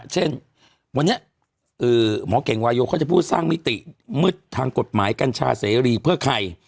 เช่นวันนี้หมอเก่งวายกเขาจะพูดสร้างมิติมืดทางกฎหมายกัญชาเสรีเพื่อใคร